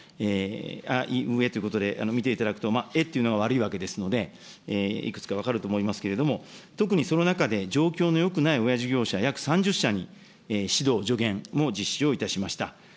あ、い、う、えということで、見ていただくと、えというのが悪いわけですので、いくつか分かると思いますけれども、特にその中で、状況のよくない親事業者約３０社に指導、助言も実施をいたしました。